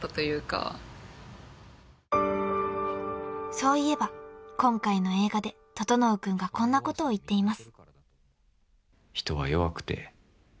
［そういえば今回の映画で整君がこんなことを言っています］